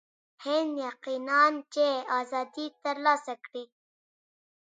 هند یقیناً چې آزادي ترلاسه کړي.